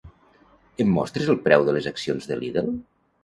Em mostres el preu de les accions de Lidl?